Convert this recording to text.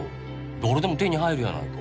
誰でも手に入るやないか。